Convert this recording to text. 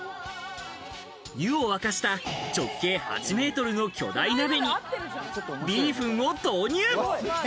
湯を沸かした直径８メートルの巨大鍋にビーフンを投入。